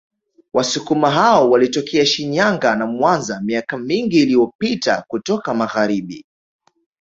Wasukuma hao walitokea Shinyanga na Mwanza miaka mingi iliyopita kutoka Magharibi